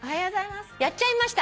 やっちゃいました。